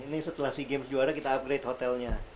ini setelah sea games juara kita upgrade hotelnya